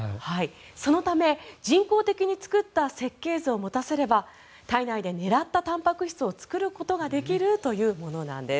そのため、人工的に作った設計図を持たせれば体内で狙ったたんぱく質を作ることができるというものです。